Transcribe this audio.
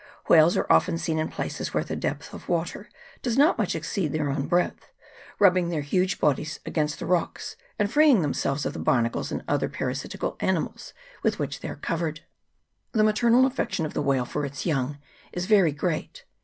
Whales are often seen in places where the depth of water does not much exceed their own breadth, rubbing their huge bodies against the rocks, and freeing themselves of the barnacles and other parasitical animals with which they are covered. 48 WHALES AND WHALERS. [PART I. The maternal affection of the whale for its young is very great.